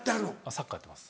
サッカーやってます。